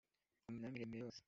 ku minara miremire yose